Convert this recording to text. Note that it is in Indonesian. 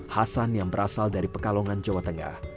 hasan yang berasal dari pekalongan jawa tengah